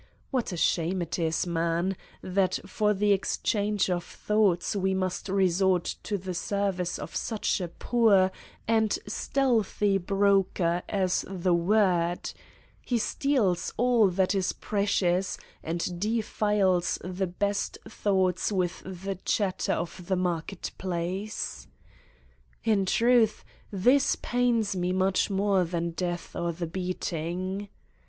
What a shame it is, man, that for the exchange of thoughts we must resort to the service of such a poor and stealthy broker as the word he steals all that is precious and de files the best thoughts with the chatter of the mar ket place. In truth, this pains me much more than death or the beating.